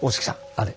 あれ。